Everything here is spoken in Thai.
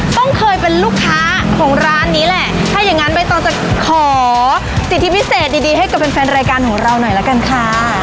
ต้องเคยเป็นลูกค้าของร้านนี้แหละถ้าอย่างงั้นใบตองจะขอสิทธิพิเศษดีดีให้กับแฟนรายการของเราหน่อยละกันค่ะ